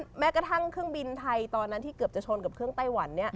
แม้กระทั่งเครื่องบินไทยตอนนั้นที่เกือบจะชนกับเครื่องไต้หวัน